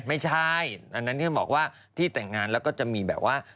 ไม่ใช่อันนั้นที่บอกว่าที่แต่งงานแล้วก็จะมีแบบว่า